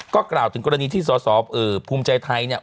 ก็กล่าวถึงกรณีที่สอสอภูมิใจไทยเนี่ย